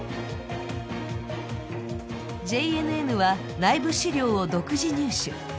ＪＮＮは内部資料を独自入手。